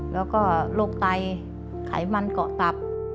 แล้วก็โรคไตไขมันเกาะตับ